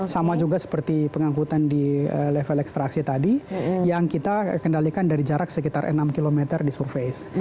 sama juga seperti pengangkutan di level ekstraksi tadi yang kita kendalikan dari jarak sekitar enam km di surface